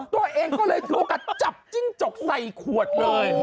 ตัวเองก็เลยถือโอกาสจับจิ้งจกใส่ขวดเลย